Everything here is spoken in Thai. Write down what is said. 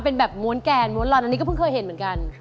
เป็นแบบม้วนแกนม้วนลอนอันนี้ก็เพิ่งเคยเห็นเหมือนกัน